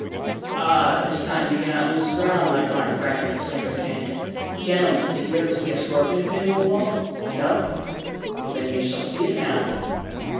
"Ah, this time you cannot lose ground, my fine friend!" exclaimed D'Artagnan. "Gentlemen, did you ever see a scorpion pinned to a wall? No. Well, then, you shall see it now."